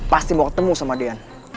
pasti mau ketemu sama dian